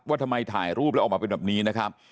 ว่าทำไมถ่ายรูปแล้วออกมาเป็นแบบนี้นะครับ